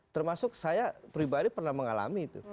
termasuk saya pribadi pernah mengalami itu